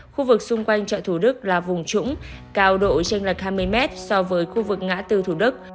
khu vực xung quanh chợ thủ đức là vùng trũng cao độ tranh lệch hai mươi mét so với khu vực ngã tư thủ đức